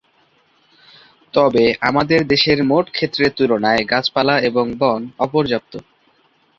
তবে আমাদের দেশের মোট ক্ষেত্রের তুলনায় গাছপালা এবং বন অপর্যাপ্ত।